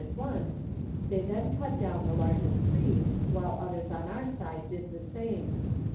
109 at once ; tlioy then cut down the largest trees, while othei s on our side did the same.